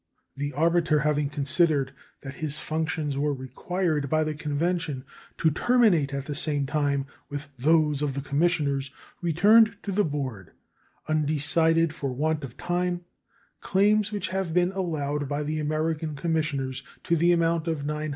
The arbiter having considered that his functions were required by the convention to terminate at the same time with those of the commissioners, returned to the board, undecided for want of time, claims which had been allowed by the American commissioners to the amount of $928,620.